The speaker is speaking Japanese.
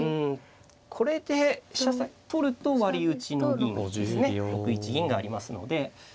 これで取ると割り打ちの銀がありますね。